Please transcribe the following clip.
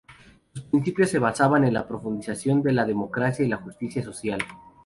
Sus principios se basan en la profundización de la democracia y la justicia social.